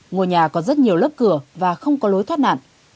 ngôi nhà có rất nhiều lớp cửa và không có lối thoát nạn